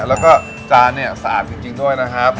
แล้วก็จานเนี่ยสะอาดจริงด้วยนะครับ